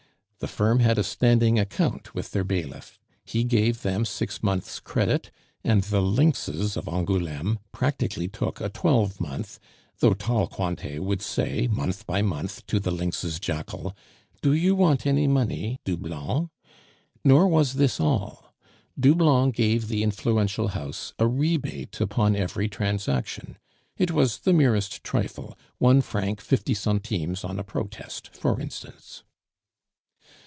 The firm had a standing account with their bailiff; he gave them six months' credit; and the lynxes of Angouleme practically took a twelvemonth, though tall Cointet would say month by month to the lynxes' jackal, "Do you want any money, Doublon?" Nor was this all. Doublon gave the influential house a rebate upon every transaction; it was the merest trifle, one franc fifty centimes on a protest, for instance.